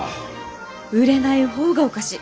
売れない方がおかしい。